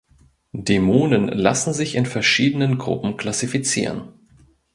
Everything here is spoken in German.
Dämonen lassen sich in verschiedenen Gruppen klassifizieren.